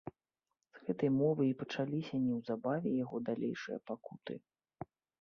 З гэтай мовы і пачаліся неўзабаве яго далейшыя пакуты.